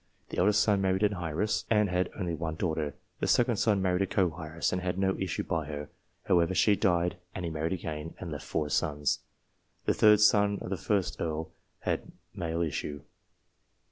The eldest son married an heiress, and had only one daughter. The second son married a co heiress, and had no issue by her. However, she died, and he married again, and left four sons. The third son of the first Earl had male issue.